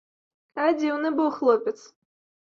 А дзіўны быў хлопец!